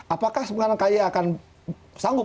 apakah kay akan sanggup